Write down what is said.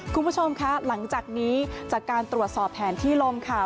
คุณผู้ชมคะหลังจากนี้จากการตรวจสอบแผนที่ลมค่ะ